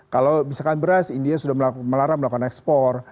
kalau misalkan beras india sudah melarang melakukan ekspor